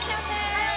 はい！